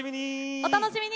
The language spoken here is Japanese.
お楽しみに。